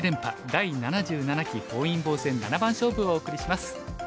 第７７期本因坊戦七番勝負」をお送りします。